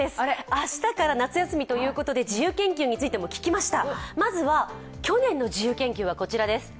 明日から夏休みということで自由研究についても聞きました。